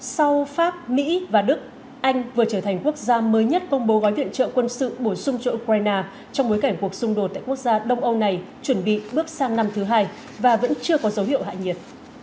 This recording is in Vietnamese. sau pháp mỹ và đức anh vừa trở thành quốc gia mới nhất công bố gói viện trợ quân sự bổ sung cho ukraine trong bối cảnh cuộc xung đột tại quốc gia đông âu này chuẩn bị bước sang năm thứ hai và vẫn chưa có dấu hiệu hạ nhiệt